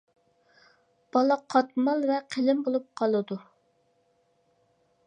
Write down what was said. -بالا قاتمال ۋە قېلىن بولۇپ قالىدۇ.